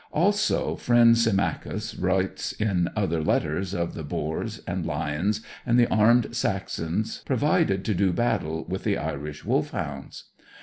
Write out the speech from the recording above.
Also, friend Symmachus writes in other letters of the boars, and lions, and the armed Saxons provided to do battle with the Irish Wolfhounds.